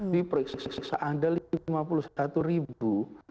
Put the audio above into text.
di proyeksi seandali lima puluh satu ribu